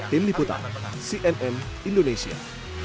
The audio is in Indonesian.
tim liputan cnn indonesia